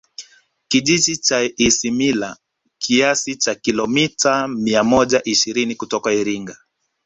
Kijiji cha Isimila kiasi cha Kilomita mia moja ishirini kutoka Iringa